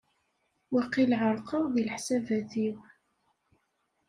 Waqil ɛerqeɣ deg leḥsabat-iw.